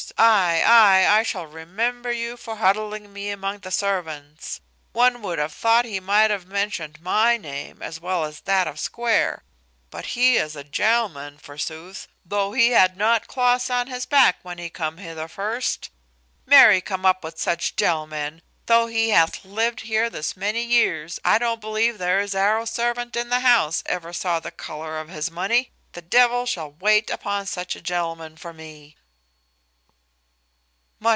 Ay, ay, I shall remember you for huddling me among the servants. One would have thought he might have mentioned my name as well as that of Square; but he is a gentleman forsooth, though he had not cloths on his back when he came hither first. Marry come up with such gentlemen! though he hath lived here this many years, I don't believe there is arrow a servant in the house ever saw the colour of his money. The devil shall wait upon such a gentleman for me."